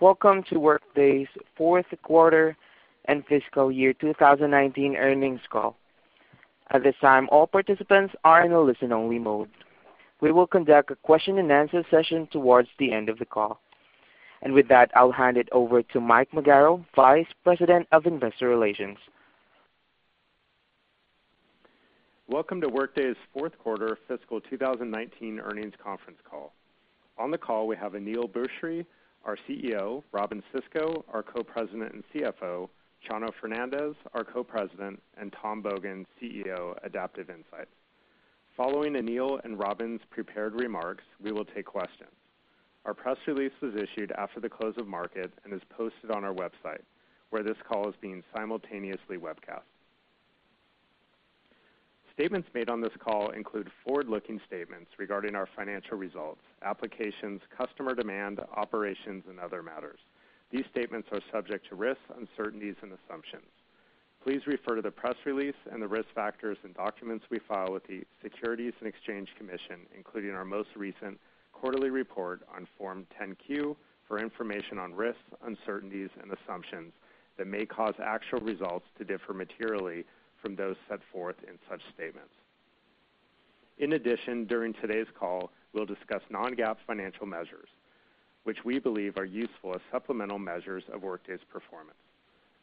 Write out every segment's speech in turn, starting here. Welcome to Workday's fourth quarter and fiscal year 2019 earnings call. At this time, all participants are in a listen-only mode. We will conduct a question and answer session towards the end of the call. With that, I'll hand it over to Mike Magaro, Vice President of Investor Relations. Welcome to Workday's fourth quarter fiscal 2019 earnings conference call. On the call, we have Aneel Bhusri, our CEO, Robyn Sisco, our Co-President and CFO, Chano Fernandez, our Co-President, and Tom Bogan, CEO of Adaptive Insights. Following Aneel and Robyn's prepared remarks, we will take questions. Our press release was issued after the close of market and is posted on our website, where this call is being simultaneously webcast. Statements made on this call include forward-looking statements regarding our financial results, applications, customer demand, operations, and other matters. These statements are subject to risks, uncertainties, and assumptions. Please refer to the press release and the risk factors and documents we file with the Securities and Exchange Commission, including our most recent quarterly report on Form 10-Q, for information on risks, uncertainties, and assumptions that may cause actual results to differ materially from those set forth in such statements. In addition, during today's call, we'll discuss non-GAAP financial measures, which we believe are useful as supplemental measures of Workday's performance.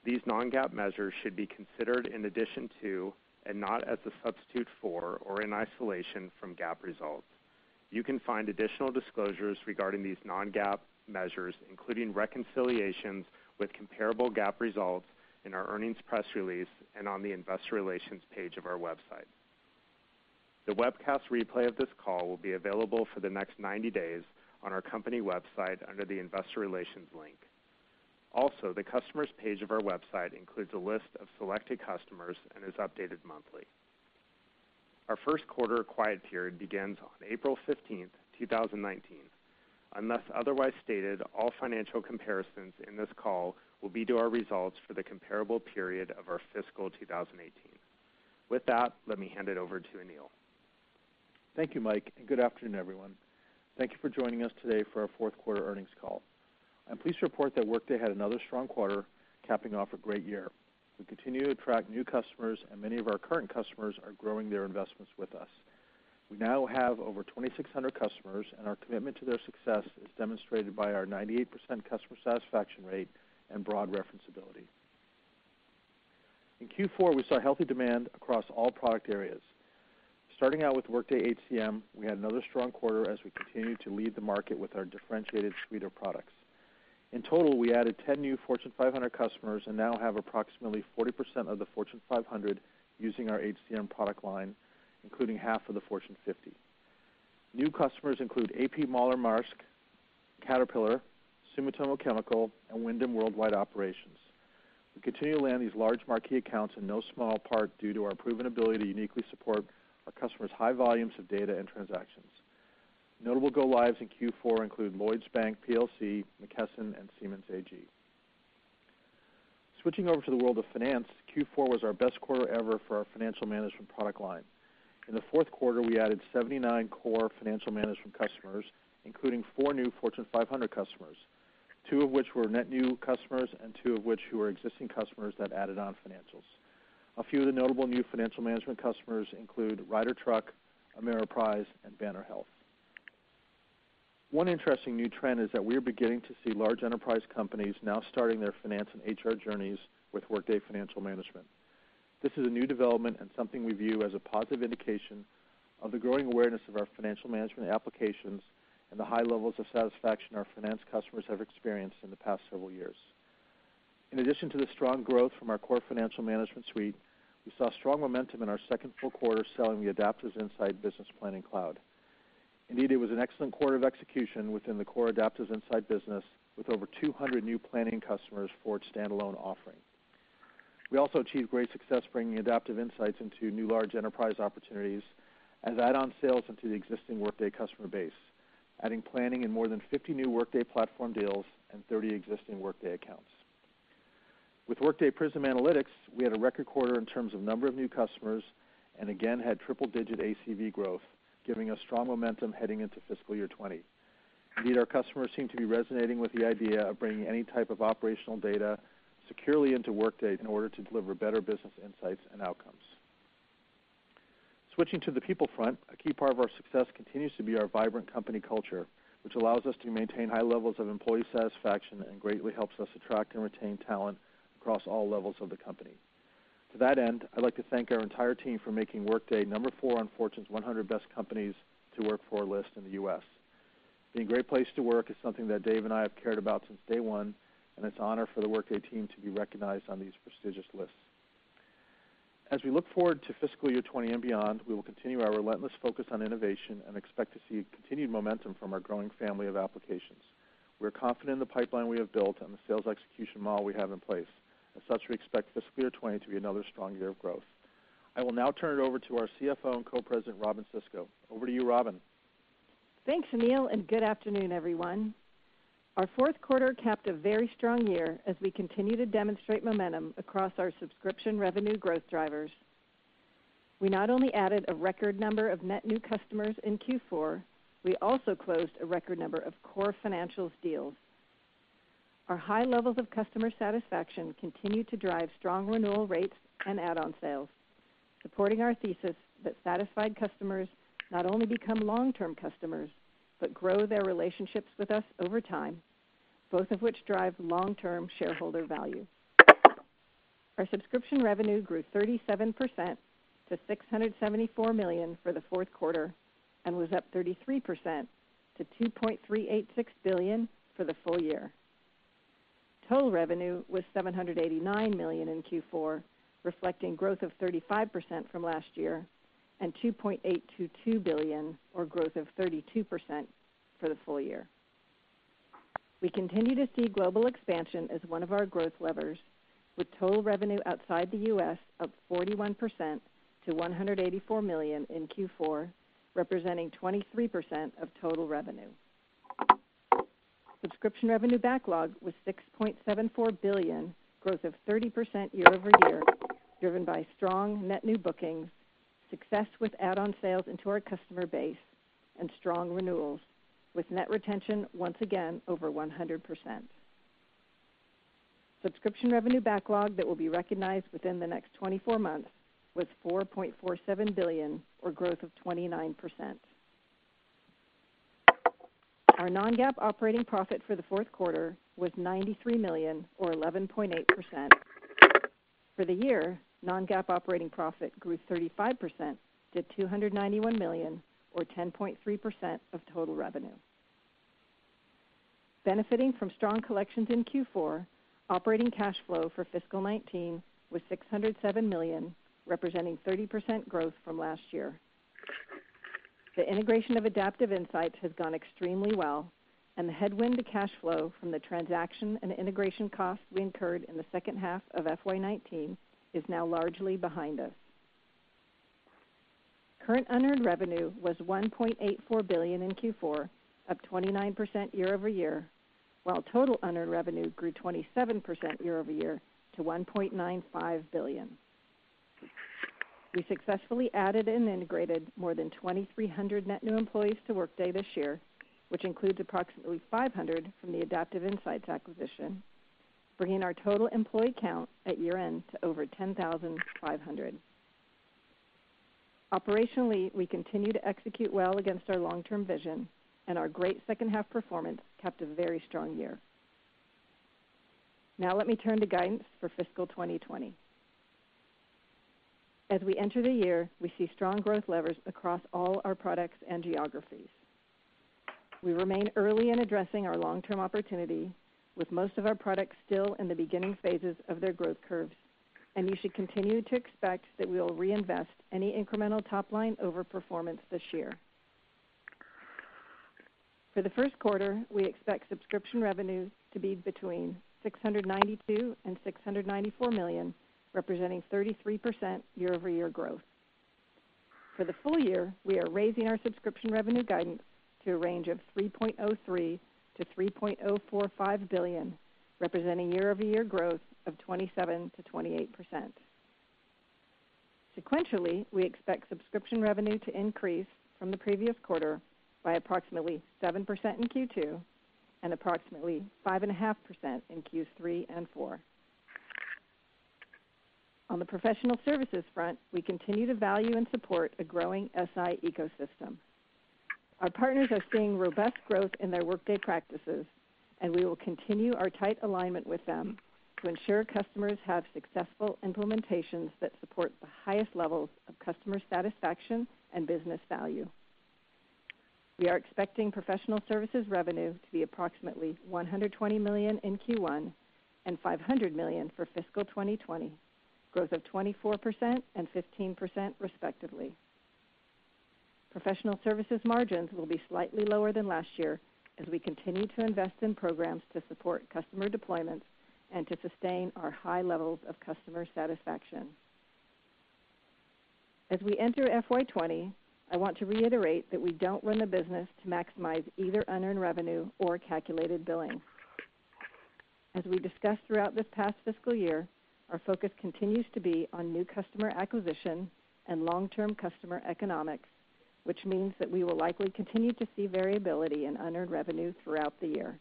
These non-GAAP measures should be considered in addition to, not as a substitute for or in isolation from, GAAP results. You can find additional disclosures regarding these non-GAAP measures, including reconciliations with comparable GAAP results, in our earnings press release and on the investor relations page of our website. The webcast replay of this call will be available for the next 90 days on our company website under the investor relations link. Also, the customers page of our website includes a list of selected customers and is updated monthly. Our first quarter quiet period begins on April 15th, 2019. Unless otherwise stated, all financial comparisons in this call will be to our results for the comparable period of our fiscal 2018. With that, let me hand it over to Aneel. Thank you, Mike, and good afternoon, everyone. Thank you for joining us today for our fourth quarter earnings call. I'm pleased to report that Workday had another strong quarter, capping off a great year. We continue to attract new customers, and many of our current customers are growing their investments with us. We now have over 2,600 customers, and our commitment to their success is demonstrated by our 98% customer satisfaction rate and broad reference ability. In Q4, we saw healthy demand across all product areas. Starting out with Workday HCM, we had another strong quarter as we continue to lead the market with our differentiated suite of products. In total, we added 10 new Fortune 500 customers and now have approximately 40% of the Fortune 500 using our HCM product line, including half of the Fortune 50. New customers include A.P. Moller-Maersk, Caterpillar, Sumitomo Chemical, and Wyndham Worldwide Operations. We continue to land these large marquee accounts in no small part due to our proven ability to uniquely support our customers' high volumes of data and transactions. Notable go-lives in Q4 include Lloyds Bank plc, McKesson, and Siemens AG. Switching over to the world of finance, Q4 was our best quarter ever for our Workday Financial Management product line. In the fourth quarter, we added 79 core Workday Financial Management customers, including four new Fortune 500 customers, two of which were net new customers and two of which who were existing customers that added on financials. A few of the notable new Workday Financial Management customers include Ryder Truck, Ameriprise, and Banner Health. One interesting new trend is that we are beginning to see large enterprise companies now starting their finance and HR journeys with Workday Financial Management. This is a new development and something we view as a positive indication of the growing awareness of our Workday Financial Management applications and the high levels of satisfaction our finance customers have experienced in the past several years. In addition to the strong growth from our core Workday Financial Management suite, we saw strong momentum in our second full quarter selling the Adaptive Insights Business Planning Cloud. It was an excellent quarter of execution within the core Adaptive Insights business, with over 200 new planning customers for its standalone offering. We also achieved great success bringing Adaptive Insights into new large enterprise opportunities as add-on sales into the existing Workday customer base, adding planning in more than 50 new Workday platform deals and 30 existing Workday accounts. With Workday Prism Analytics, we had a record quarter in terms of number of new customers and again had triple-digit ACV growth, giving us strong momentum heading into fiscal year 2020. Our customers seem to be resonating with the idea of bringing any type of operational data securely into Workday in order to deliver better business insights and outcomes. Switching to the people front, a key part of our success continues to be our vibrant company culture, which allows us to maintain high levels of employee satisfaction and greatly helps us attract and retain talent across all levels of the company. To that end, I'd like to thank our entire team for making Workday number 4 on Fortune's 100 Best Companies to Work For list in the U.S. Being a great place to work is something that Dave and I have cared about since day one. It's an honor for the Workday team to be recognized on these prestigious lists. As we look forward to fiscal year 2020 and beyond, we will continue our relentless focus on innovation and expect to see continued momentum from our growing family of applications. We're confident in the pipeline we have built and the sales execution model we have in place. As such, we expect fiscal year 2020 to be another strong year of growth. I will now turn it over to our CFO and Co-President, Robynne Sisco. Over to you, Robynne. Thanks, Aneel. Good afternoon, everyone. Our fourth quarter capped a very strong year as we continue to demonstrate momentum across our subscription revenue growth drivers. We not only added a record number of net new customers in Q4, we also closed a record number of core Financials deals. Our high levels of customer satisfaction continue to drive strong renewal rates and add-on sales, supporting our thesis that satisfied customers not only become long-term customers but grow their relationships with us over time, both of which drive long-term shareholder value. Our subscription revenue grew 37% to $674 million for the fourth quarter and was up 33% to $2.386 billion for the full year. Total revenue was $789 million in Q4, reflecting growth of 35% from last year, and $2.822 billion, or growth of 32%, for the full year. We continue to see global expansion as one of our growth levers, with total revenue outside the U.S. up 41% to $184 million in Q4, representing 23% of total revenue. Subscription revenue backlog was $6.74 billion, growth of 30% year-over-year, driven by strong net new bookings, success with add-on sales into our customer base, and strong renewals, with net retention once again over 100%. Subscription revenue backlog that will be recognized within the next 24 months was $4.47 billion, or growth of 29%. Our non-GAAP operating profit for the fourth quarter was $93 million, or 11.8%. For the year, non-GAAP operating profit grew 35% to $291 million, or 10.3% of total revenue. Benefiting from strong collections in Q4, operating cash flow for fiscal 2019 was $607 million, representing 30% growth from last year. The integration of Adaptive Insights has gone extremely well. The headwind to cash flow from the transaction and integration costs we incurred in the second half of FY 2019 is now largely behind us. Current unearned revenue was $1.84 billion in Q4, up 29% year-over-year, while total unearned revenue grew 27% year-over-year to $1.95 billion. We successfully added and integrated more than 2,300 net new employees to Workday this year, which includes approximately 500 from the Adaptive Insights acquisition, bringing our total employee count at year-end to over 10,500. Operationally, we continue to execute well against our long-term vision. Our great second-half performance capped a very strong year. Now let me turn to guidance for fiscal 2020. As we enter the year, we see strong growth levers across all our products and geographies. We remain early in addressing our long-term opportunity with most of our products still in the beginning phases of their growth curves, and you should continue to expect that we'll reinvest any incremental top-line over performance this year. For the first quarter, we expect subscription revenue to be between $692 million and $694 million, representing 33% year-over-year growth. For the full year, we are raising our subscription revenue guidance to a range of $3.03 billion-$3.045 billion, representing year-over-year growth of 27%-28%. Sequentially, we expect subscription revenue to increase from the previous quarter by approximately 7% in Q2 and approximately 5.5% in Q3 and Q4. On the professional services front, we continue to value and support a growing SI ecosystem. Our partners are seeing robust growth in their Workday practices, and we will continue our tight alignment with them to ensure customers have successful implementations that support the highest levels of customer satisfaction and business value. We are expecting professional services revenue to be approximately $120 million in Q1 and $500 million for fiscal 2020, growth of 24% and 15% respectively. Professional services margins will be slightly lower than last year as we continue to invest in programs to support customer deployments and to sustain our high levels of customer satisfaction. As we enter FY 2020, I want to reiterate that we don't run the business to maximize either unearned revenue or calculated billings. As we discussed throughout this past fiscal year, our focus continues to be on new customer acquisition and long-term customer economics, which means that we will likely continue to see variability in unearned revenue throughout the year.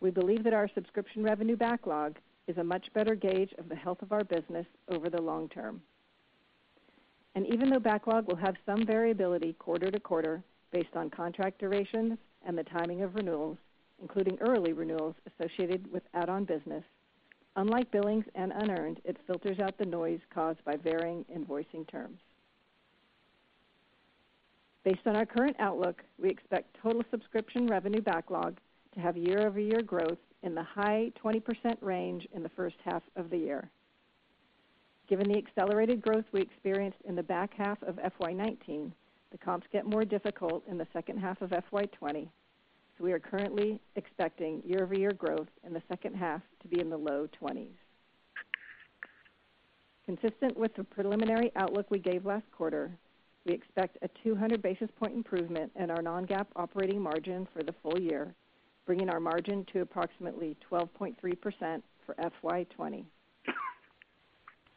We believe that our subscription revenue backlog is a much better gauge of the health of our business over the long term. Even though backlog will have some variability quarter-to-quarter based on contract duration and the timing of renewals, including early renewals associated with add-on business, unlike billings and unearned, it filters out the noise caused by varying invoicing terms. Based on our current outlook, we expect total subscription revenue backlog to have year-over-year growth in the high 20% range in the first half of the year. Given the accelerated growth we experienced in the back half of FY 2019, the comps get more difficult in the second half of FY 2020, so we are currently expecting year-over-year growth in the second half to be in the low 20s. Consistent with the preliminary outlook we gave last quarter, we expect a 200 basis point improvement in our non-GAAP operating margin for the full year, bringing our margin to approximately 12.3% for FY 2020.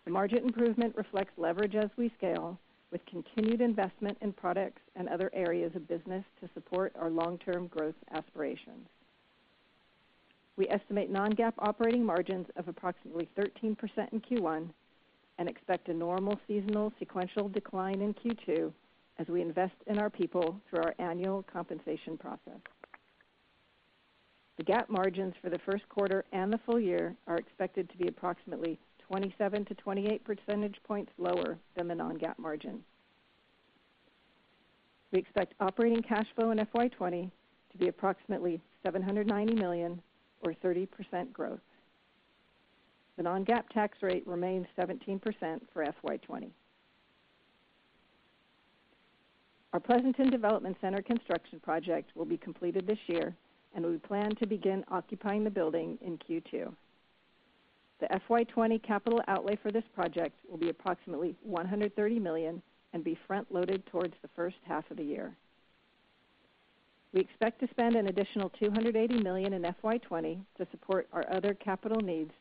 The margin improvement reflects leverage as we scale, with continued investment in products and other areas of business to support our long-term growth aspirations. We estimate non-GAAP operating margins of approximately 13% in Q1, and expect a normal seasonal sequential decline in Q2 as we invest in our people through our annual compensation process. The GAAP margins for the first quarter and the full year are expected to be approximately 27-28 percentage points lower than the non-GAAP margins. We expect operating cash flow in FY 2020 to be approximately $790 million, or 30% growth. The non-GAAP tax rate remains 17% for FY 2020. Our Pleasanton Development Center construction project will be completed this year, and we plan to begin occupying the building in Q2. The FY 2020 capital outlay for this project will be approximately $130 million and be front-loaded towards the first half of the year. We expect to spend an additional $280 million in FY 2020 to support our other capital needs,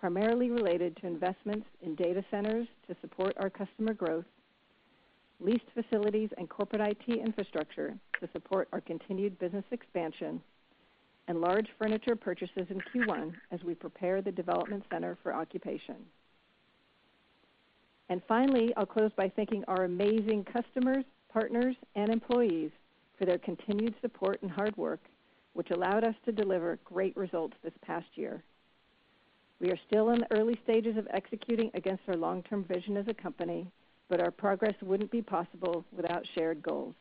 primarily related to investments in data centers to support our customer growth, leased facilities and corporate IT infrastructure to support our continued business expansion, and large furniture purchases in Q1 as we prepare the development center for occupation. Finally, I'll close by thanking our amazing customers, partners, and employees for their continued support and hard work, which allowed us to deliver great results this past year. We are still in the early stages of executing against our long-term vision as a company. Our progress wouldn't be possible without shared goals.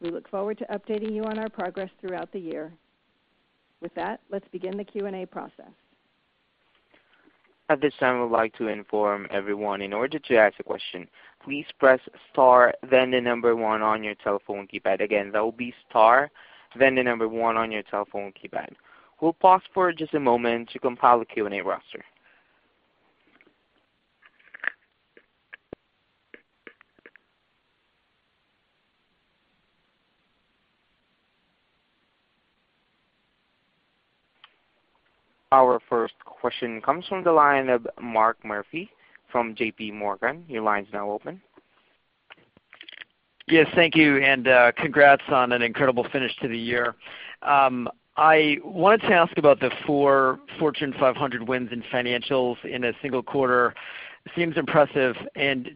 We look forward to updating you on our progress throughout the year. With that, let's begin the Q&A process. At this time, we would like to inform everyone, in order to ask a question, please press star, then the number one on your telephone keypad. Again, that will be star, then the number one on your telephone keypad. We'll pause for just a moment to compile a Q&A roster. Our first question comes from the line of Mark Murphy from JPMorgan. Your line's now open. Yes, thank you. Congrats on an incredible finish to the year. I wanted to ask about the four Fortune 500 wins in Financials in a single quarter. Seems impressive.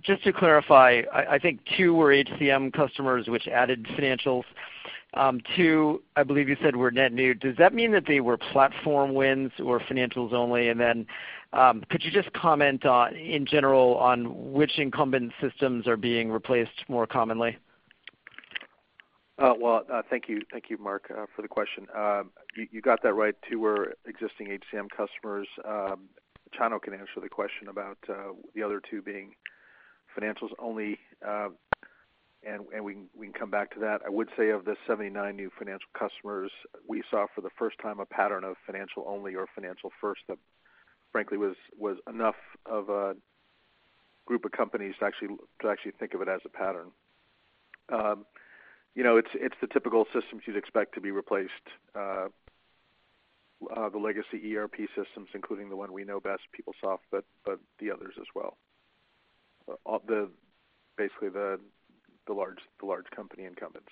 Just to clarify, I think two were HCM customers, which added Financials. Two, I believe you said, were net new. Does that mean that they were platform wins or Financials only? Could you just comment on, in general, on which incumbent systems are being replaced more commonly? Thank you. Thank you, Mark, for the question. You got that right. Two were existing HCM customers. Chano can answer the question about the other two being Financials only, and we can come back to that. I would say of the 79 new Financials customers, we saw for the first time a pattern of Financials only or Financials first that frankly was enough of a group of companies to actually think of it as a pattern. It's the typical systems you'd expect to be replaced. The legacy ERP systems, including the one we know best, PeopleSoft, but the others as well. Basically, the large company incumbents.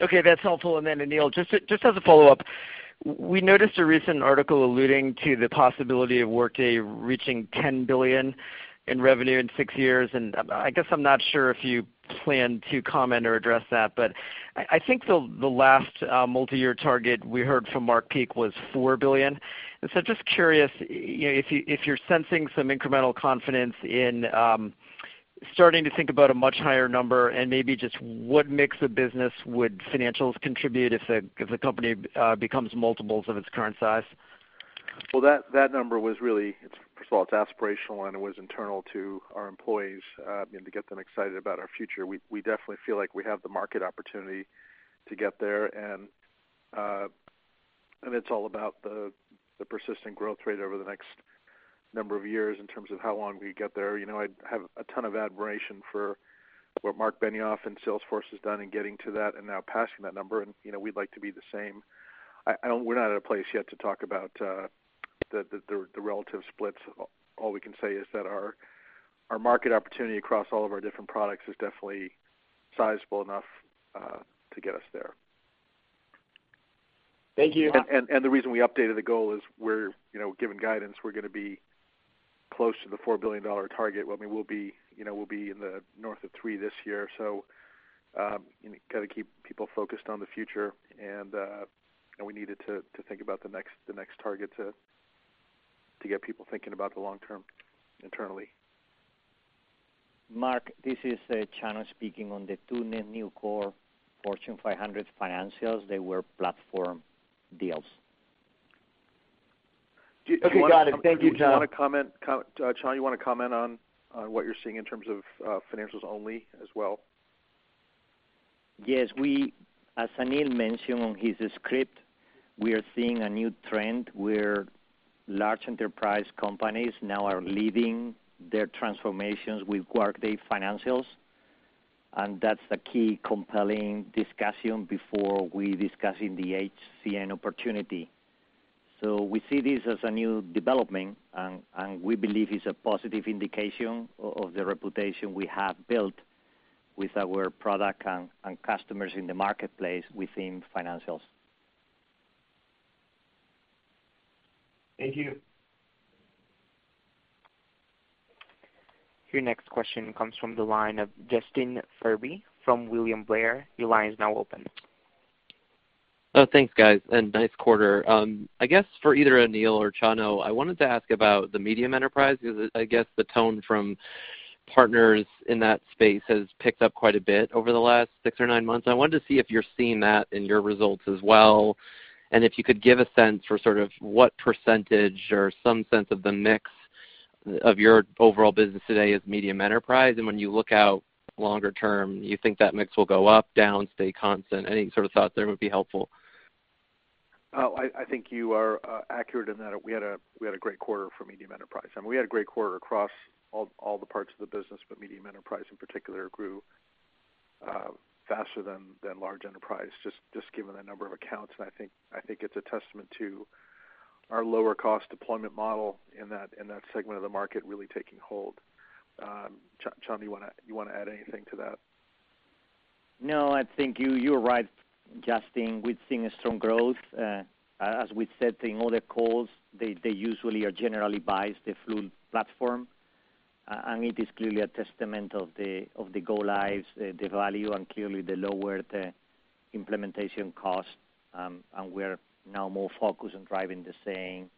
That's helpful. Aneel, just as a follow-up, we noticed a recent article alluding to the possibility of Workday reaching $10 billion in revenue in 6 years, and I guess I'm not sure if you plan to comment or address that, but I think the last multi-year target we heard from Mark Peek was $4 billion. Just curious if you're sensing some incremental confidence in starting to think about a much higher number and maybe just what mix of business would Financials contribute if the company becomes multiples of its current size? That number was really, first of all, it's aspirational, and it was internal to our employees, to get them excited about our future. We definitely feel like we have the market opportunity to get there, and it's all about the persistent growth rate over the next number of years in terms of how long we get there. I have a ton of admiration for what Marc Benioff and Salesforce has done in getting to that and now passing that number, and we'd like to be the same. We're not at a place yet to talk about the relative splits. All we can say is that our market opportunity across all of our different products is definitely sizable enough to get us there. Thank you. The reason we updated the goal is given guidance, we're going to be close to the $4 billion target. Well, we'll be in the north of three this year, so got to keep people focused on the future, and we needed to think about the next target to get people thinking about the long term internally. Mark, this is Chano speaking. On the two net new core Fortune 500 Financials, they were platform deals. Okay, got it. Thank you, Chano. Chano, you want to comment on what you're seeing in terms of Financials only as well? Yes, as Aneel mentioned on his script, we are seeing a new trend where large enterprise companies now are leading their transformations with Workday Financials, and that's the key compelling discussion before we discuss the HCM opportunity. We see this as a new development, and we believe it's a positive indication of the reputation we have built with our product and customers in the marketplace within Financials. Thank you. Your next question comes from the line of Justin Furby from William Blair. Your line is now open. Thanks, guys, and nice quarter. I guess, for either Aneel or Chano, I wanted to ask about the medium enterprise, because I guess the tone from partners in that space has picked up quite a bit over the last six or nine months, and I wanted to see if you're seeing that in your results as well. If you could give a sense for what % or some sense of the mix of your overall business today is medium enterprise. When you look out longer term, you think that mix will go up, down, stay constant? Any sort of thought there would be helpful. I think you are accurate in that. We had a great quarter for medium enterprise, and we had a great quarter across all the parts of the business, but medium enterprise, in particular, grew faster than large enterprise, just given the number of accounts. I think it's a testament to our lower-cost deployment model in that segment of the market really taking hold. Chano, you want to add anything to that? No, I think you're right, Justin. We've seen strong growth. As we've said in other calls, they usually or generally buy the full platform. It is clearly a testament of the go lives, the value, and clearly the lower the implementation cost. We're now more focused on driving the same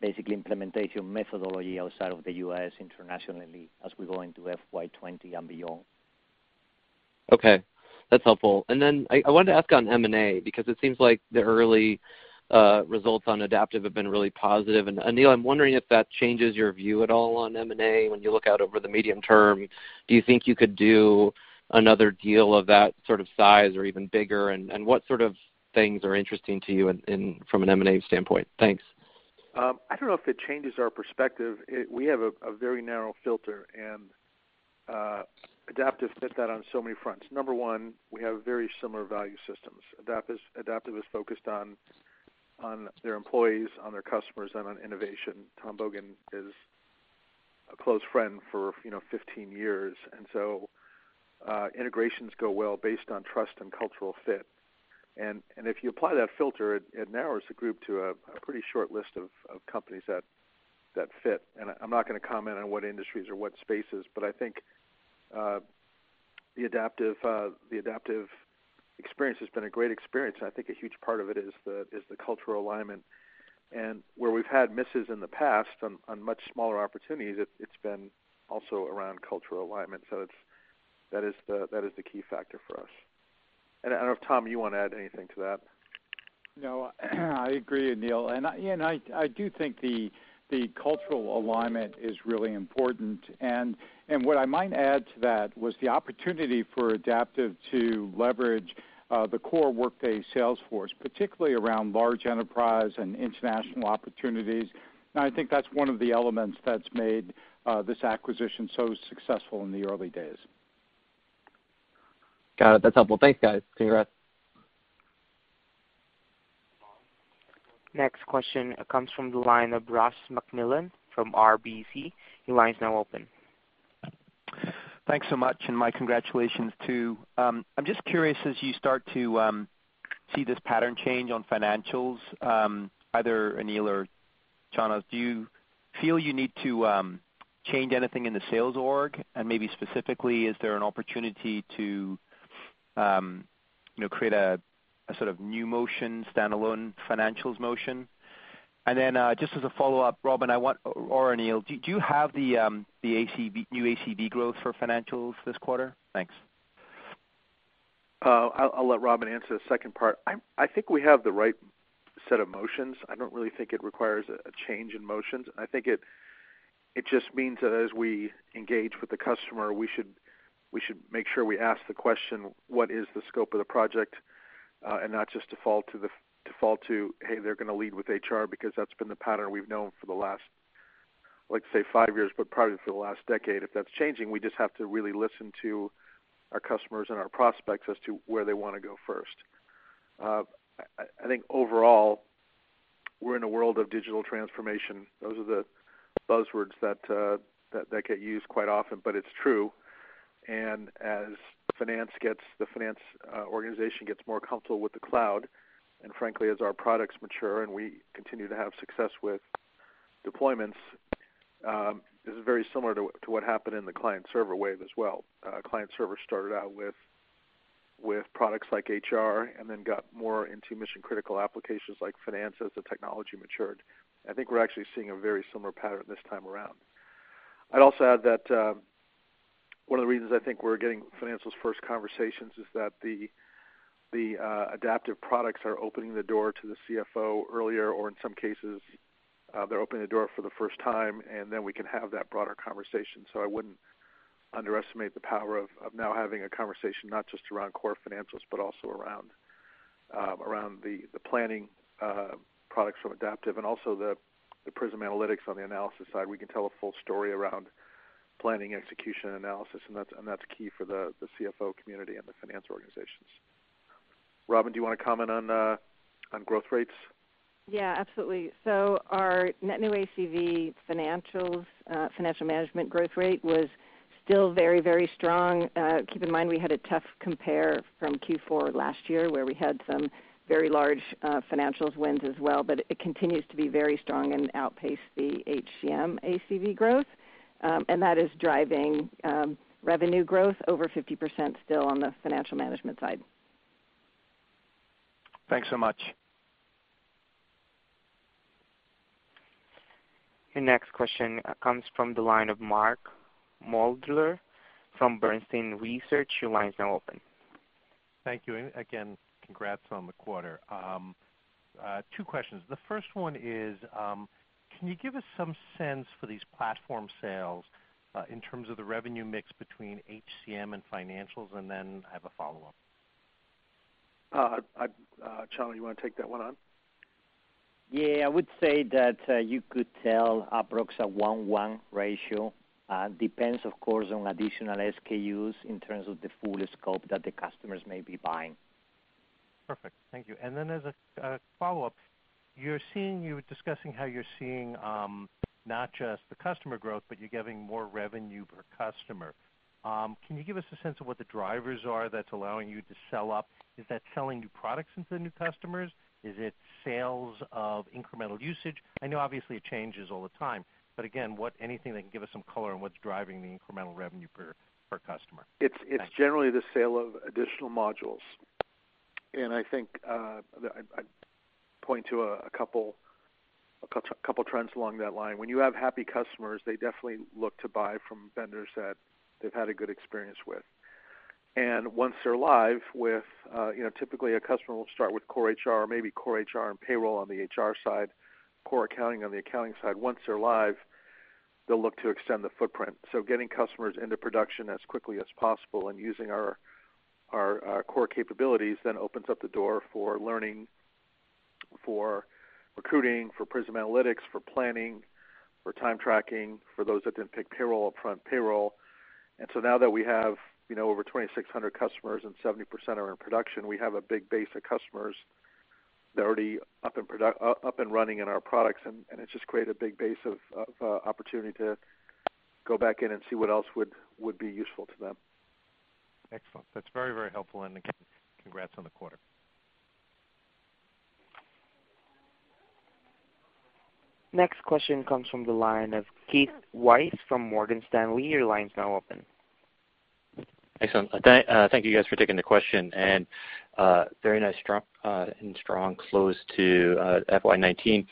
basic implementation methodology outside of the U.S. internationally as we go into FY 2020 and beyond. Okay. That's helpful. Then I wanted to ask on M&A, because it seems like the early results on Adaptive have been really positive. Aneel, I'm wondering if that changes your view at all on M&A when you look out over the medium term. Do you think you could do another deal of that sort of size or even bigger? What sort of things are interesting to you from an M&A standpoint? Thanks. I don't know if it changes our perspective. We have a very narrow filter, and Adaptive fit that on so many fronts. Number one, we have very similar value systems. Adaptive is focused on their employees, on their customers, and on innovation. Tom Bogan is a close friend for 15 years. Integrations go well based on trust and cultural fit. If you apply that filter, it narrows the group to a pretty short list of companies that fit. I'm not going to comment on what industries or what spaces, but I think the Adaptive experience has been a great experience, and I think a huge part of it is the cultural alignment. Where we've had misses in the past on much smaller opportunities, it's been also around cultural alignment. That is the key factor for us. I don't know if, Tom, you want to add anything to that. No, I agree, Anil. I do think the cultural alignment is really important. What I might add to that was the opportunity for Adaptive to leverage the core Workday sales force, particularly around large enterprise and international opportunities. I think that's one of the elements that's made this acquisition so successful in the early days. Got it. That's helpful. Thanks, guys. Congrats. Next question comes from the line of Ross MacMillan from RBC. Your line is now open. Thanks so much, and my congratulations, too. I'm just curious, as you start to see this pattern change on Financials, either Aneel or Chano, do you feel you need to change anything in the sales org? Maybe specifically, is there an opportunity to create a sort of new motion, standalone Financials motion? Just as a follow-up, Robynne or Aneel, do you have the new ACV growth for Financials this quarter? Thanks. I'll let Robynne answer the second part. I think we have the right set of motions. I don't really think it requires a change in motions. I think it just means that as we engage with the customer, we should make sure we ask the question, what is the scope of the project? Not just default to, "Hey, they're going to lead with HCM," because that's been the pattern we've known for the last, I'd like to say five years, but probably for the last decade. If that's changing, we just have to really listen to our customers and our prospects as to where they want to go first. I think overall, we're in a world of digital transformation. Those are the buzzwords that get used quite often, but it's true. As the finance organization gets more comfortable with the cloud, and frankly, as our products mature and we continue to have success with deployments, this is very similar to what happened in the client server wave as well. Client server started out with products like HCM and then got more into mission-critical applications like Financials as the technology matured. I think we're actually seeing a very similar pattern this time around. I'd also add that one of the reasons I think we're getting Financials first conversations is that The Adaptive products are opening the door to the CFO earlier, or in some cases, they're opening the door for the first time, and then we can have that broader conversation. I wouldn't underestimate the power of now having a conversation not just around core Financials, but also around the planning products from Adaptive and also the Prism Analytics on the analysis side. We can tell a full story around planning, execution, and analysis, and that's key for the CFO community and the finance organizations. Robynne, do you want to comment on growth rates? Absolutely. Our net new ACV Financial Management growth rate was still very strong. Keep in mind, we had a tough compare from Q4 last year, where we had some very large Financials wins as well. It continues to be very strong and outpace the HCM ACV growth. That is driving revenue growth over 50% still on the Financial Management side. Thanks so much. The next question comes from the line of Mark Moerdler from Bernstein Research. Your line is now open. Thank you. Again, congrats on the quarter. Two questions. The first one is, can you give us some sense for these platform sales in terms of the revenue mix between HCM and Financials? Then I have a follow-up. Chano, you want to take that one on? Yeah. I would say that you could tell approx. a 1:1 ratio. Depends, of course, on additional SKUs in terms of the full scope that the customers may be buying. Perfect. Thank you. As a follow-up, you were discussing how you're seeing not just the customer growth, but you're getting more revenue per customer. Can you give us a sense of what the drivers are that's allowing you to sell up? Is that selling new products into the new customers? Is it sales of incremental usage? I know obviously it changes all the time, but again, anything that can give us some color on what's driving the incremental revenue per customer. Thanks. It's generally the sale of additional modules. I think I'd point to a couple trends along that line. When you have happy customers, they definitely look to buy from vendors that they've had a good experience with. Typically, a customer will start with core HR, maybe core HR and payroll on the HR side, core accounting on the accounting side. Once they're live, they'll look to extend the footprint. Getting customers into production as quickly as possible and using our core capabilities then opens up the door for learning, for recruiting, for Prism Analytics, for planning, for time tracking, for those that didn't pick payroll upfront, payroll. Now that we have over 2,600 customers and 70% are in production, we have a big base of customers that are already up and running in our products, and it's just created a big base of opportunity to go back in and see what else would be useful to them. Excellent. That's very helpful. Again, congrats on the quarter. Next question comes from the line of Keith Weiss from Morgan Stanley. Your line's now open. Excellent. Thank you guys for taking the question. Very nice and strong close to FY 2019.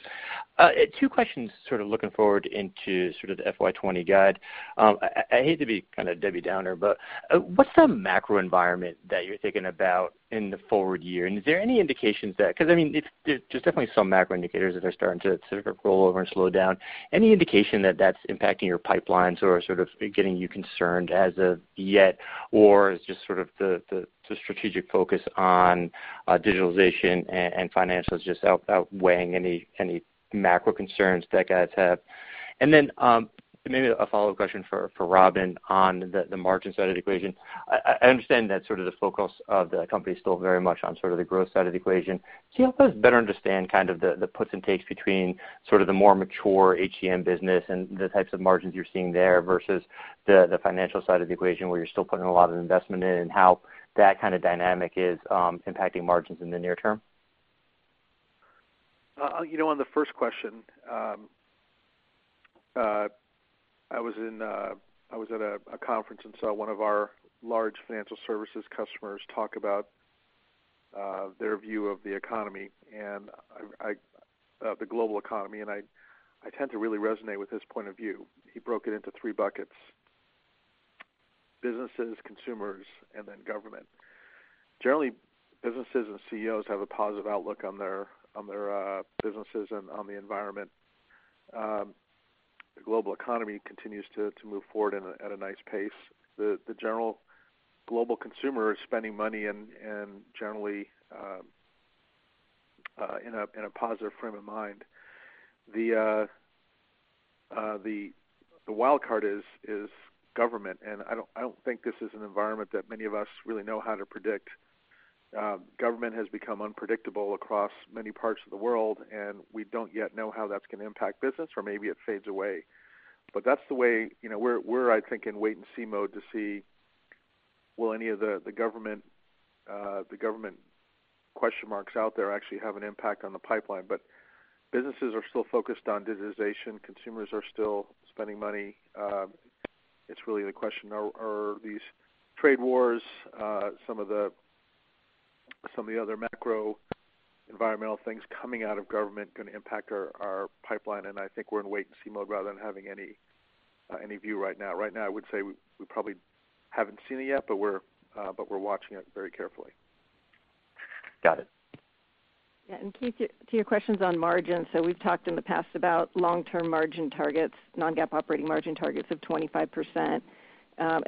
Two questions sort of looking forward into sort of the FY 2020 guide. I hate to be kind of Debbie Downer, but what's the macro environment that you're thinking about in the forward year, and is there any indications that Because there's definitely some macro indicators that are starting to sort of roll over and slow down. Any indication that that's impacting your pipelines or sort of getting you concerned as of yet, or is just sort of the strategic focus on digitalization and Financials just outweighing any macro concerns that guys have? Then, maybe a follow-up question for Robyn on the margin side of the equation. I understand that sort of the focus of the company is still very much on sort of the growth side of the equation. Can you help us better understand kind of the puts and takes between sort of the more mature HCM business and the types of margins you're seeing there versus the Financials side of the equation, where you're still putting a lot of investment in, and how that kind of dynamic is impacting margins in the near term? On the first question, I was at a conference and saw one of our large financial services customers talk about their view of the global economy. I tend to really resonate with his point of view. He broke it into 3 buckets: businesses, consumers, and then government. Generally, businesses and CEOs have a positive outlook on their businesses and on the environment. The global economy continues to move forward at a nice pace. The general global consumer is spending money and generally in a positive frame of mind. The wild card is government. I don't think this is an environment that many of us really know how to predict. Government has become unpredictable across many parts of the world. We don't yet know how that's going to impact business, or maybe it fades away. That's the way. We're, I think, in wait-and-see mode to see will any of the government question marks out there actually have an impact on the pipeline. Businesses are still focused on digitization. Consumers are still spending money. It's really the question, are these trade wars, some of the other macroenvironmental things coming out of government going to impact our pipeline? I think we're in wait and see mode rather than having any view right now. Right now, I would say we probably haven't seen it yet, but we're watching it very carefully. Got it. Keith, to your questions on margins, we've talked in the past about long-term margin targets, non-GAAP operating margin targets of 25%,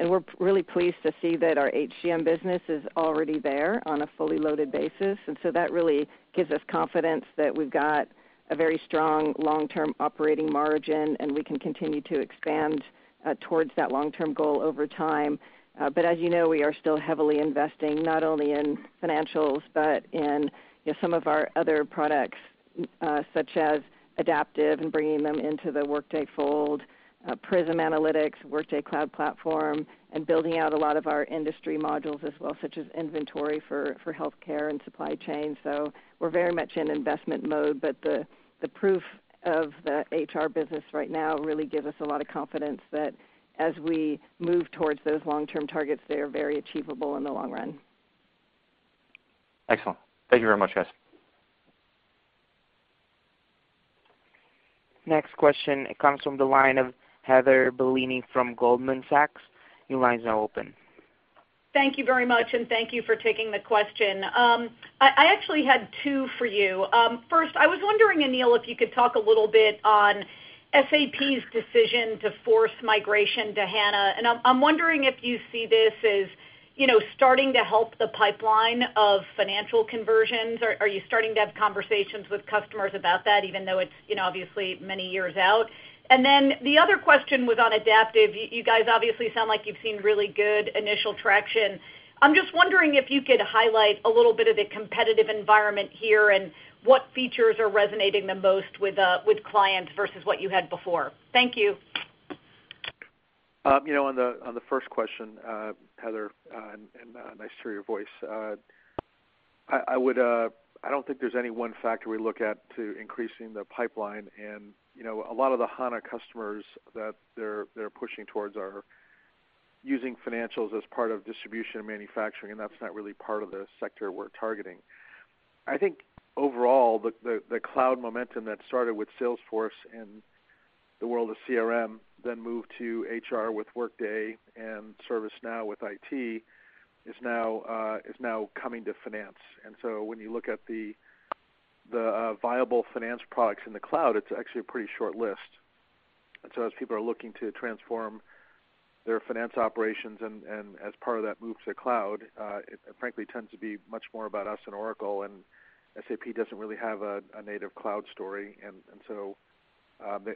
we're really pleased to see that our HCM business is already there on a fully loaded basis. That really gives us confidence that we've got a very strong long-term operating margin, we can continue to expand towards that long-term goal over time. As you know, we are still heavily investing, not only in Financials but in some of our other products, such as Adaptive and bringing them into the Workday fold, Workday Prism Analytics, Workday Cloud Platform, and building out a lot of our industry modules as well, such as inventory for healthcare and supply chain. We're very much in investment mode, the proof of the HR business right now really gives us a lot of confidence that as we move towards those long-term targets, they are very achievable in the long run. Excellent. Thank you very much, guys. Next question comes from the line of Heather Bellini from Goldman Sachs. Your line is now open. Thank you very much, and thank you for taking the question. I actually had two for you. First, I was wondering, Aneel, if you could talk a little bit on SAP's decision to force migration to HANA, and I'm wondering if you see this as starting to help the pipeline of financial conversions. Are you starting to have conversations with customers about that, even though it's obviously many years out? The other question was on Adaptive. You guys obviously sound like you've seen really good initial traction. I'm just wondering if you could highlight a little bit of the competitive environment here and what features are resonating the most with clients versus what you had before. Thank you. On the first question, Heather, Nice to hear your voice. I don't think there's any one factor we look at to increasing the pipeline. A lot of the HANA customers that they're pushing towards are using financials as part of distribution and manufacturing. That's not really part of the sector we're targeting. I think overall, the cloud momentum that started with Salesforce and the world of CRM, Moved to HR with Workday and ServiceNow with IT, is now coming to finance. When you look at the viable finance products in the cloud, it's actually a pretty short list. As people are looking to transform their finance operations and as part of that move to the cloud, it frankly tends to be much more about us and Oracle. SAP doesn't really have a native cloud story, so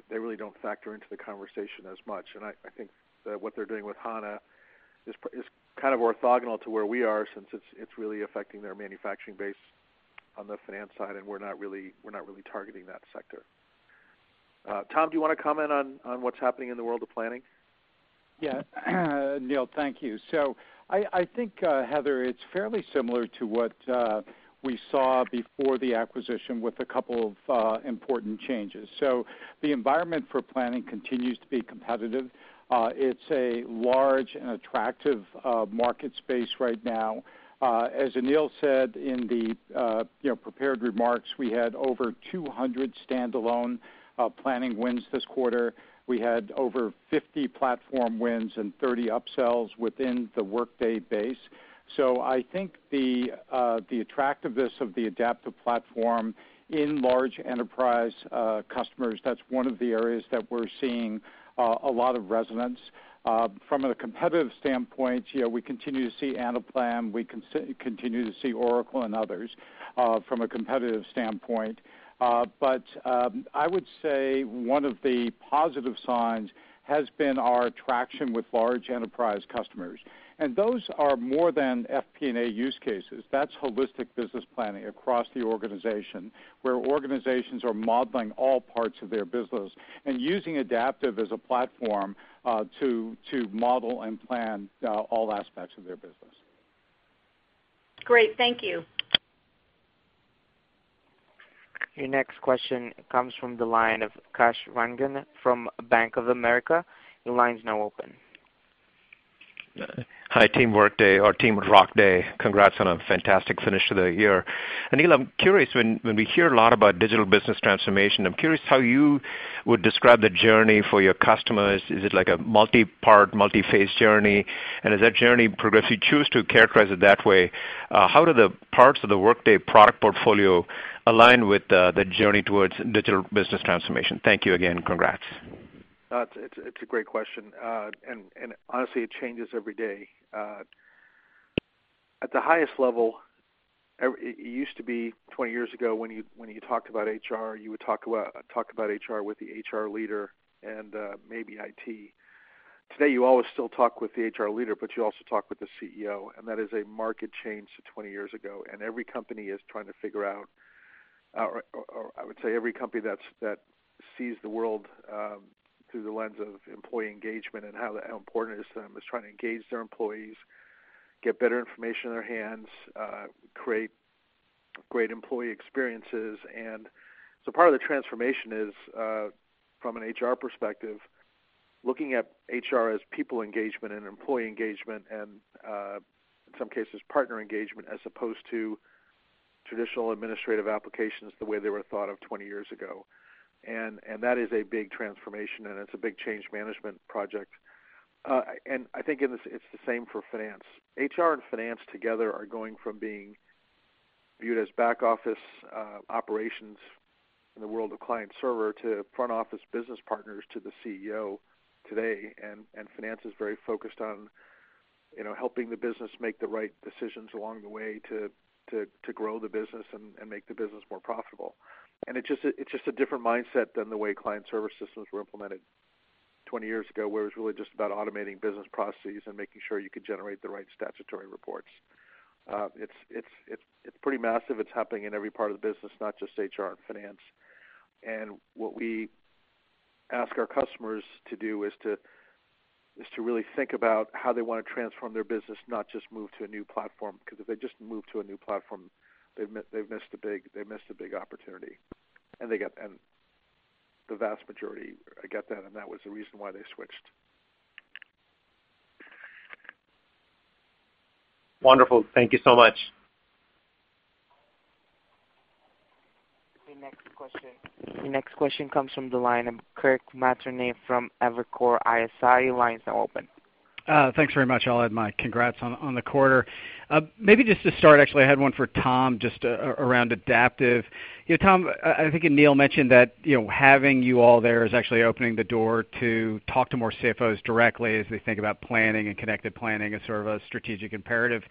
they really don't factor into the conversation as much. I think that what they're doing with HANA is kind of orthogonal to where we are since it's really affecting their manufacturing base on the finance side, and we're not really targeting that sector. Tom, do you want to comment on what's happening in the world of planning? Aneel, thank you. I think, Heather, it's fairly similar to what we saw before the acquisition with a couple of important changes. The environment for planning continues to be competitive. It's a large and attractive market space right now. As Aneel said in the prepared remarks, we had over 200 standalone planning wins this quarter. We had over 50 platform wins and 30 upsells within the Workday base. I think the attractiveness of the Adaptive platform in large enterprise customers, that's one of the areas that we're seeing a lot of resonance. From a competitive standpoint, we continue to see Anaplan, we continue to see Oracle and others from a competitive standpoint. I would say one of the positive signs has been our traction with large enterprise customers. Those are more than FP&A use cases. That's holistic business planning across the organization, where organizations are modeling all parts of their business and using Adaptive as a platform to model and plan all aspects of their business. Great. Thank you. Your next question comes from the line of Kash Rangan from Bank of America. Your line is now open. Hi, team Workday or team Workday. Congrats on a fantastic finish to the year. Aneel, I'm curious, when we hear a lot about digital business transformation, I'm curious how you would describe the journey for your customers. Is it like a multi-part, multi-phase journey? As that journey progresses, you choose to characterize it that way, how do the parts of the Workday product portfolio align with the journey towards digital business transformation? Thank you again. Congrats. It's a great question. Honestly, it changes every day. At the highest level, it used to be 20 years ago, when you talked about HR, you would talk about HR with the HR leader and maybe IT. Today, you always still talk with the HR leader, but you also talk with the CEO. That is a market change to 20 years ago. Every company is trying to figure out, or I would say every company that sees the world through the lens of employee engagement and how important it is to them, is trying to engage their employees, get better information in their hands, create great employee experiences. Part of the transformation is, from an HR perspective Looking at HR as people engagement and employee engagement, in some cases, partner engagement, as opposed to traditional administrative applications the way they were thought of 20 years ago. That is a big transformation, and it's a big change management project. I think it's the same for finance. HR and finance together are going from being viewed as back-office operations in the world of client server to front-office business partners to the CEO today. Finance is very focused on helping the business make the right decisions along the way to grow the business and make the business more profitable. It's just a different mindset than the way client service systems were implemented 20 years ago, where it was really just about automating business processes and making sure you could generate the right statutory reports. It's pretty massive. It's happening in every part of the business, not just HR and finance. What we ask our customers to do is to really think about how they want to transform their business, not just move to a new platform, because if they just move to a new platform, they've missed a big opportunity. The vast majority get that, and that was the reason why they switched. Wonderful. Thank you so much. The next question comes from the line of Kirk Materne from Evercore ISI. Your line is now open. Thanks very much. I'll add my congrats on the quarter. Maybe just to start, actually, I had one for Tom, just around Adaptive. Tom, I think Aneel mentioned that having you all there is actually opening the door to talk to more CFOs directly as they think about planning and connected planning as sort of a strategic imperative.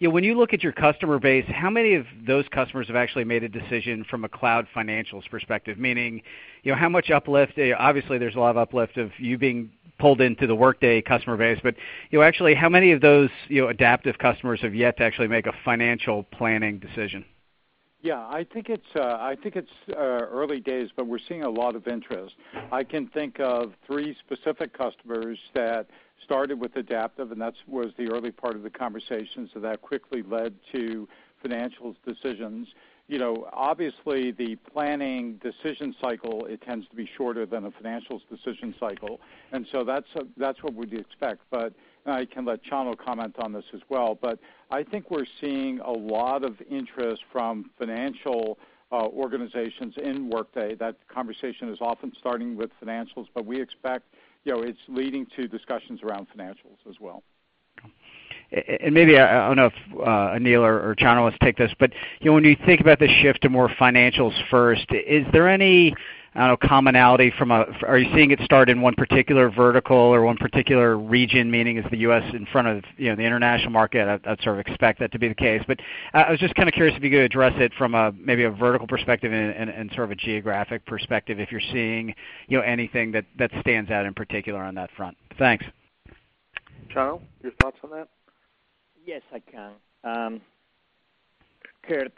When you look at your customer base, how many of those customers have actually made a decision from a cloud financials perspective? Meaning, how much uplift? Obviously, there's a lot of uplift of you being pulled into the Workday customer base. Actually, how many of those Adaptive customers have yet to actually make a financial planning decision? Yeah, I think it's early days, but we're seeing a lot of interest. I can think of three specific customers that started with Adaptive, and that was the early part of the conversation, so that quickly led to financials decisions. Obviously, the planning decision cycle, it tends to be shorter than a financials decision cycle. That's what we'd expect. I can let Chano comment on this as well. I think we're seeing a lot of interest from financial organizations in Workday. That conversation is often starting with financials, but we expect it's leading to discussions around financials as well. Maybe, I don't know if Aneel or Chano wants to take this, but when you think about the shift to more financials first, is there any commonality from a. Are you seeing it start in one particular vertical or one particular region, meaning is the U.S. in front of the international market? I'd sort of expect that to be the case. I was just kind of curious if you could address it from maybe a vertical perspective and sort of a geographic perspective, if you're seeing anything that stands out in particular on that front. Thanks. Chano, your thoughts on that? Yes, I can. Kirk,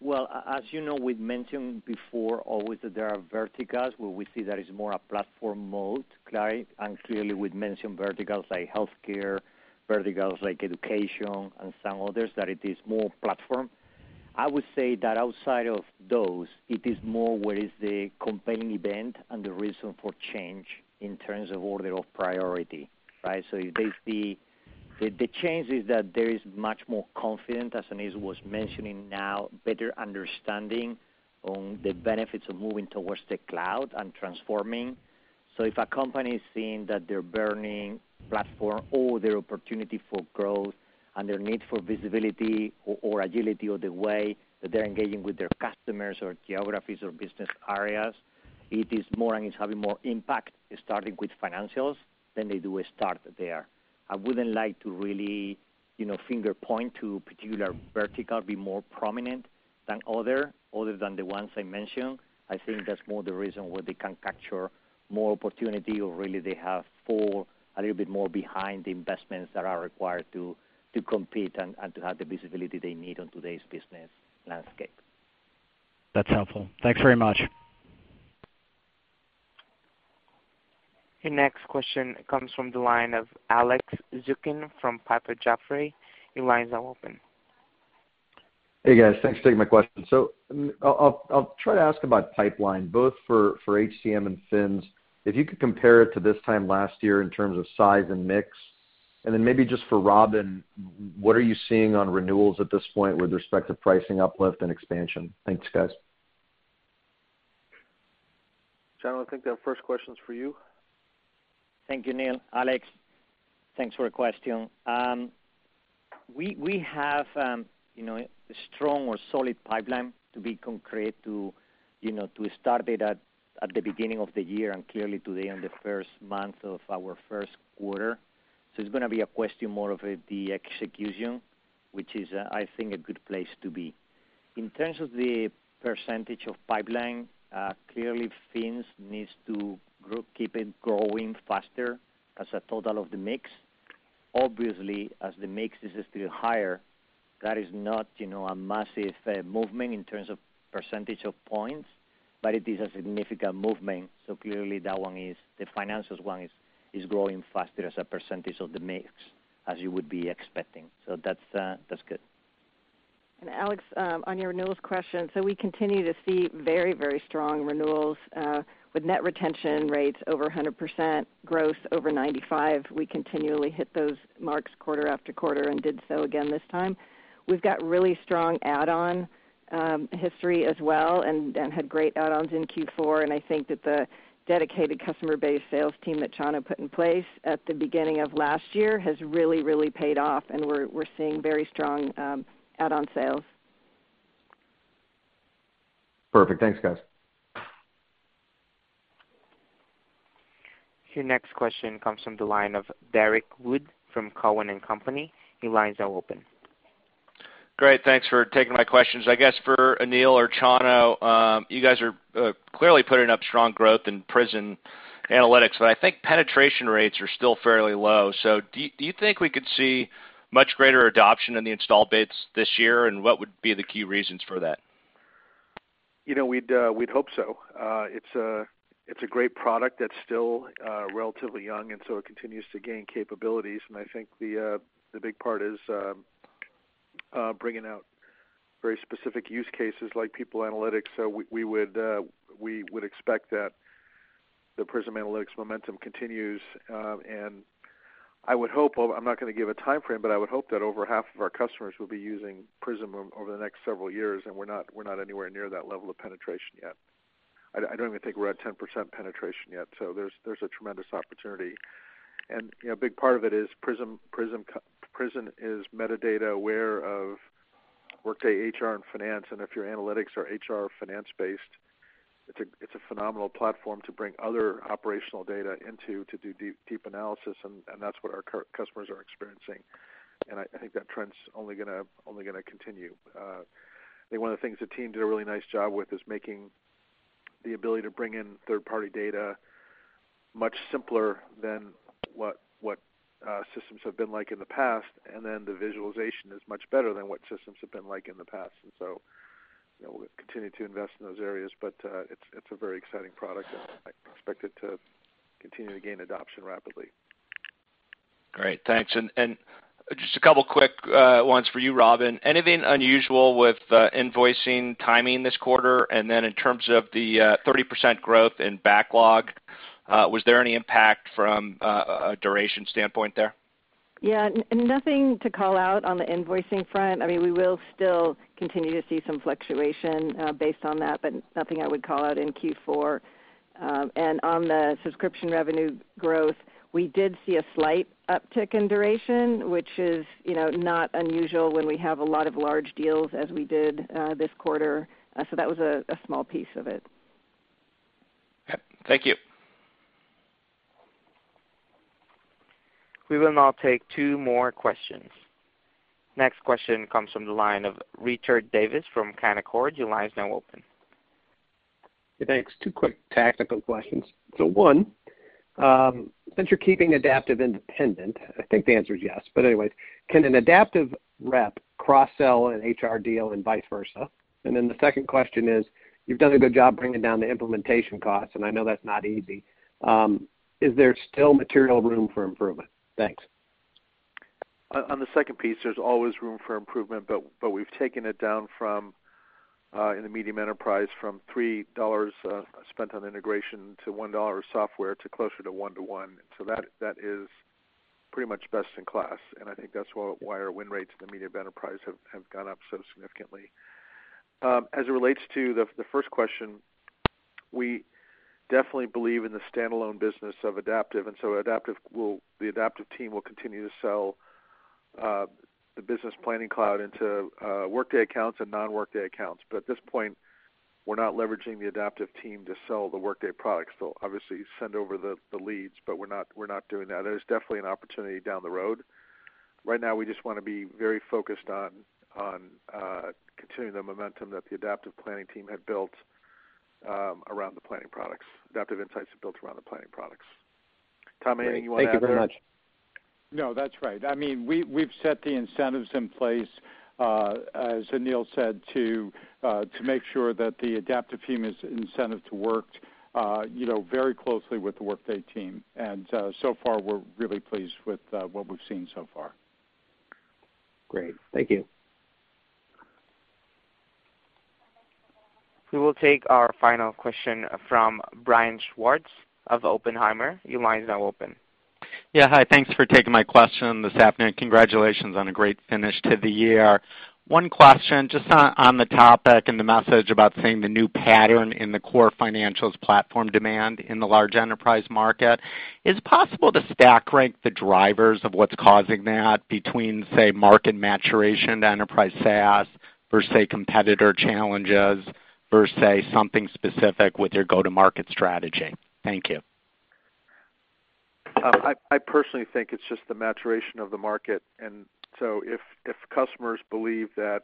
well, as you know, we've mentioned before always that there are verticals where we see that it's more a platform mode, right? Clearly, we've mentioned verticals like healthcare, verticals like education, and some others, that it is more platform. I would say that outside of those, it is more what is the compelling event and the reason for change in terms of order of priority, right? The change is that there is much more confidence, as Aneel was mentioning now, better understanding on the benefits of moving towards the cloud and transforming. If a company is seeing that they're burning platform or their opportunity for growth and their need for visibility or agility or the way that they're engaging with their customers or geographies or business areas, it is more and it's having more impact starting with Financials than they do a start there. I wouldn't like to really finger-point to particular vertical be more prominent than other than the ones I mentioned. I think that's more the reason where they can capture more opportunity or really they have pull a little bit more behind the investments that are required to compete and to have the visibility they need on today's business landscape. That's helpful. Thanks very much. Your next question comes from the line of Alex Zukin from Piper Jaffray. Your line is now open. Hey, guys. Thanks for taking my question. I'll try to ask about pipeline, both for HCM and Financials. If you could compare it to this time last year in terms of size and mix, and then maybe just for Robyn, what are you seeing on renewals at this point with respect to pricing uplift and expansion? Thanks, guys. Chano, I think that first question is for you. Thank you, Aneel. Alex, thanks for the question. We have a strong or solid pipeline to be concrete to start it at the beginning of the year and clearly today on the first month of our first quarter. It's going to be a question more of the execution, which is, I think, a good place to be. In terms of the percentage of pipeline, clearly Financials needs to keep it growing faster as a total of the mix. Obviously, as the mix is still higher, that is not a massive movement in terms of percentage of points, but it is a significant movement. Clearly, the Financials one is growing faster as a percentage of the mix, as you would be expecting. That's good. Alex, on your renewals question, we continue to see very, very strong renewals, with net retention rates over 100%, growth over 95%. We continually hit those marks quarter after quarter, and did so again this time. We've got really strong add-on history as well, and had great add-ons in Q4. I think that the dedicated customer base sales team that Chano put in place at the beginning of last year has really, really paid off, and we're seeing very strong add-on sales. Perfect. Thanks, guys. Your next question comes from the line of Derrick Wood from Cowen and Company. Your lines are open. Great. Thanks for taking my questions. I guess for Aneel or Chano, you guys are clearly putting up strong growth in Prism Analytics, I think penetration rates are still fairly low. Do you think we could see much greater adoption in the install base this year? What would be the key reasons for that? We'd hope so. It's a great product that's still relatively young. It continues to gain capabilities. I think the big part is bringing out very specific use cases like people analytics. We would expect that the Prism Analytics momentum continues. I would hope, although I'm not going to give a timeframe, but I would hope that over half of our customers will be using Prism over the next several years. We're not anywhere near that level of penetration yet. I don't even think we're at 10% penetration yet. There's a tremendous opportunity. A big part of it is Prism is metadata aware of Workday HR and finance. If your analytics are HR or finance-based, it's a phenomenal platform to bring other operational data into to do deep analysis, and that's what our customers are experiencing. I think that trend's only going to continue. I think one of the things the team did a really nice job with is making the ability to bring in third-party data much simpler than what systems have been like in the past. The visualization is much better than what systems have been like in the past. We'll continue to invest in those areas, but it's a very exciting product, I expect it to continue to gain adoption rapidly. Great, thanks. Just a couple of quick ones for you, Robyn. Anything unusual with invoicing timing this quarter? In terms of the 30% growth in backlog, was there any impact from a duration standpoint there? Yeah. Nothing to call out on the invoicing front. We will still continue to see some fluctuation, based on that, but nothing I would call out in Q4. On the subscription revenue growth, we did see a slight uptick in duration, which is not unusual when we have a lot of large deals as we did this quarter. That was a small piece of it. Yep. Thank you. We will now take two more questions. Next question comes from the line of Richard Davis from Canaccord. Your line is now open. Thanks. Two quick tactical questions. One, since you're keeping Adaptive independent, I think the answer is yes, but anyway, can an Adaptive rep cross-sell an HR deal and vice versa? The second question is, you've done a good job bringing down the implementation costs, and I know that's not easy. Is there still material room for improvement? Thanks. On the second piece, there's always room for improvement, but we've taken it down from, in the medium enterprise, from $3 spent on integration to $1 of software, to closer to one to one. That is pretty much best in class, and I think that's why our win rates in the medium enterprise have gone up so significantly. As it relates to the first question, we definitely believe in the standalone business of Adaptive, the Adaptive team will continue to sell the Business Planning Cloud into Workday accounts and non-Workday accounts. At this point, we're not leveraging the Adaptive team to sell the Workday products. They'll obviously send over the leads, but we're not doing that. There's definitely an opportunity down the road. Right now, we just want to be very focused on continuing the momentum that the Adaptive planning team had built around the planning products. Adaptive Insights had built around the planning products. Tom, anything you want to add there? Thank you very much. No, that's right. We've set the incentives in place, as Aneel said, to make sure that the Adaptive team is incented to work very closely with the Workday team. So far, we're really pleased with what we've seen so far. Great. Thank you. We will take our final question from Brian Schwartz of Oppenheimer. Your line is now open. Yeah. Hi. Thanks for taking my question this afternoon. Congratulations on a great finish to the year. One question, just on the topic and the message about seeing the new pattern in the core Financials platform demand in the large enterprise market. Is it possible to stack rank the drivers of what's causing that between, say, market maturation to enterprise SaaS, versus competitor challenges, versus something specific with your go-to-market strategy? Thank you. I personally think it's just the maturation of the market. If customers believe that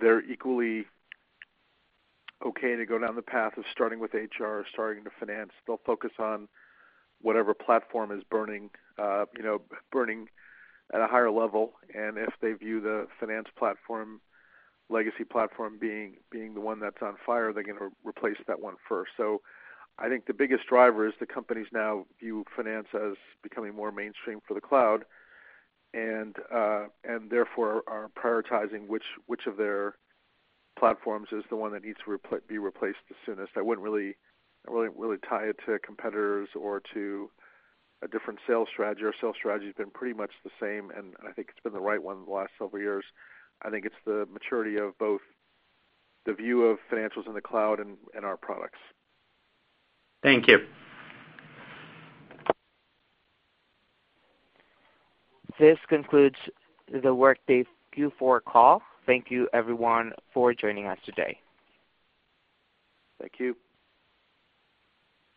they're equally okay to go down the path of starting with HR or starting into finance, they'll focus on whatever platform is burning at a higher level. If they view the finance platform, legacy platform, being the one that's on fire, they're going to replace that one first. I think the biggest driver is that companies now view finance as becoming more mainstream for the cloud, and therefore are prioritizing which of their platforms is the one that needs to be replaced the soonest. I wouldn't really tie it to competitors or to a different sales strategy. Our sales strategy's been pretty much the same, and I think it's been the right one the last several years. I think it's the maturity of both the view of Financials in the cloud and our products. Thank you. This concludes the Workday Q4 call. Thank you everyone for joining us today. Thank you.